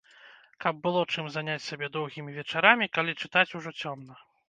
Каб было чым заняць сябе доўгімі вечарамі, калі чытаць ужо цёмна.